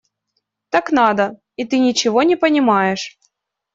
Так надо, и ты ничего не понимаешь.